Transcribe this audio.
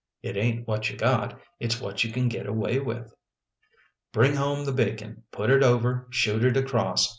It ain't what you got, It's what you can get away with." " Bring home the bacon. Put it over, shoot it across.